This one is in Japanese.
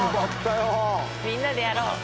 みんなでやろう。